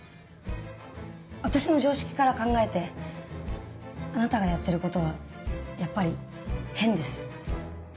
私の常識から考えてあなたがやってる事はやっぱり変です。